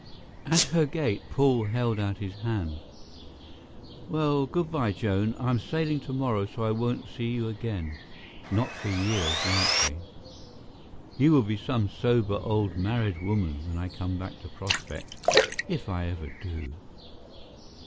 At her gate Paul held out his hand. "Well, good bye, Joan. I'm sailing tomorrow so I won't see you again—not for years likely. You will be some sober old married woman when I come back to Prospect, if I ever do."